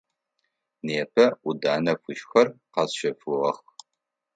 Непэ ӏудэнэ фыжьхэр къэсщэфыгъэх.